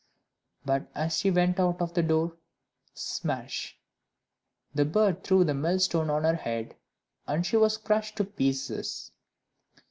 But as she went out of the door smash! the bird threw the millstone on her head, and she was crushed to pieces.